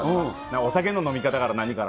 お酒の飲み方から何から。